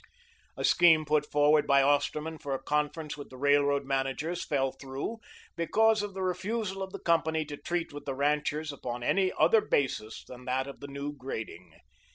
A scheme put forward by Osterman for a conference with the railroad managers fell through because of the refusal of the company to treat with the ranchers upon any other basis than that of the new grading.